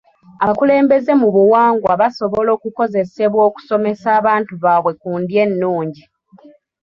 Abakulembeze mu buwangwa basobola okukozesebwa okusomesa abantu baabwe ku ndya ennungi.